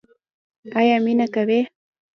ایا مینه کوئ؟